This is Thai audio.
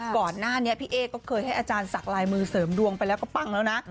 ก่อนหน้านี้พี่เอ๊ก็เคยให้อาจารย์สักลายมือเสริมดวงไปแล้วก็ปั้งแล้วนะ